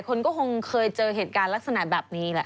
คนก็คงเคยเจอเหตุการณ์ลักษณะแบบนี้แหละ